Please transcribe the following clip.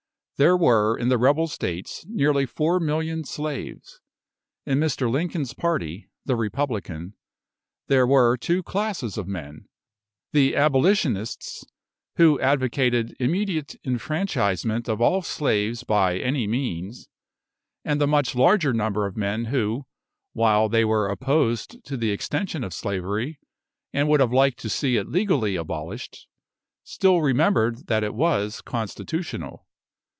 There were in the rebel states nearly 4,000,000 slaves. In Mr. Lincoln's party, the Republican, were two classes of men the Abolitionists, who advocated immediate enfranchisement of all slaves by any means; and the much larger number of men who, while they were opposed to the extension of slavery, and would have liked to see it legally abolished, still remembered that it was constitutional.